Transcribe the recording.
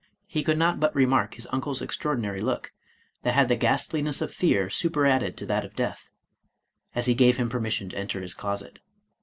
He could not but remark his uncle's extraordinary look, that had the ghastliness of fear superadded to that of death, as he gave him permission to enter his closet.